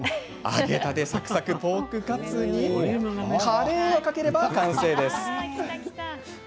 揚げたてサクサク、ポークカツにカレーをかければ完成です。